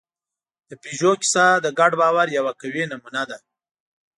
د پيژو کیسه د ګډ باور یوه قوي نمونه ده.